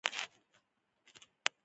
کور د ځان لپاره غوره دنیا ده.